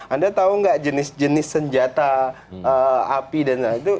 anda tahu nggak jenis jenis senjata api dan lain lain